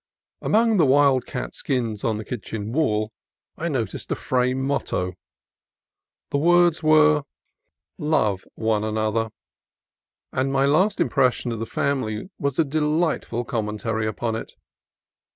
Among the wild cat skins on the kitchen wall I noticed a framed motto. The words were " Love one 38 CALIFORNIA COAST TRAILS another," and my last impression of the family was a delightful commentary upon it.